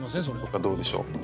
それ。とかどうでしょう？